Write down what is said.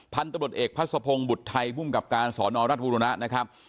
พันธุ์ตำรวจเอกพัศพงศ์บุตรไทยภูมิกับการสอนอรัฐบุรณะนะครับ